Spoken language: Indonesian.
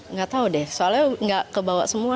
nggak tahu deh soalnya nggak kebawa semua